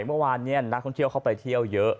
เมื่อวานนี้นักท่องเที่ยวเข้าไปเที่ยวเยอะ